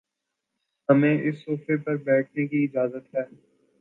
ہمیں اس صوفے پر بیٹھنے کی اجازت ہے